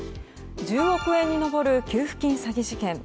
１０億円に上る給付金詐欺事件。